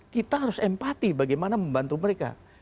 kita harus empati bagaimana membantu mereka